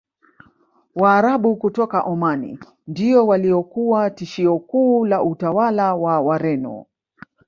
Waarabu kutoka Omani ndio waliokuwa tishio kuu la utawala wa Wareno